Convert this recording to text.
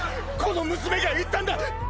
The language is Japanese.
この娘が言ったんだ！